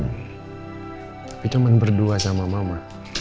tapi cuma berdua sama mama